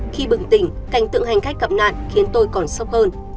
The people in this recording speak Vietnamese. khi bừng tỉnh cảnh tượng hành khách gặp nạn khiến tôi còn sốc hơn